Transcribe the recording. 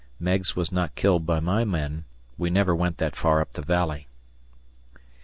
Meigs was not killed by my men; we never went that far up the Valley.